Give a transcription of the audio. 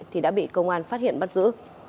thì đã bị công an phát hiện bắt giữ